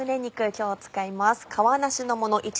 今日使います。